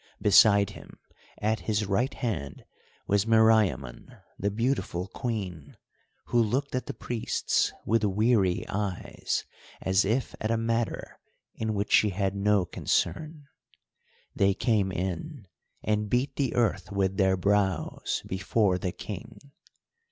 Beside him, at his right hand, was Meriamun, the beautiful Queen, who looked at the priests with weary eyes, as if at a matter in which she had no concern. They came in and beat the earth with their brows before the King.